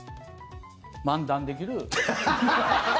漫談できる。